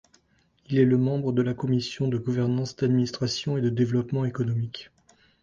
Il est membre de la commission de gouvernance, d'administration et du développement économique.